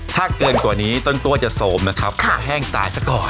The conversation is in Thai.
ถ้าเกินกว่านี้จนกล้วยจะโศมนะครับเค้าแห้งตายส่วนก่อน